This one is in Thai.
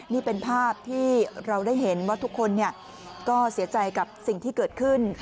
นี่เป็นภาพที่เราได้เห็นว่าทุกคนก็เสียใจกับสิ่งที่เกิดขึ้น